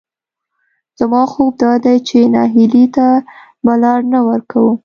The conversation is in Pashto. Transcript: زما ځواب دادی چې نهیلۍ ته به لار نه ورکوو،